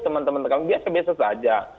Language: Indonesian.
teman teman kami biasa biasa saja